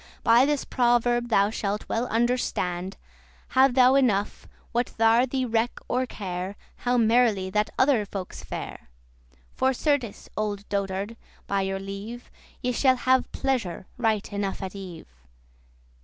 By this proverb thou shalt well understand, Have thou enough, what thar* thee reck or care *needs, behoves How merrily that other folkes fare? For certes, olde dotard, by your leave, Ye shall have [pleasure] <14> right enough at eve.